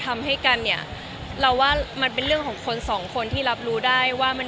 มีโอกาสดีมั้ย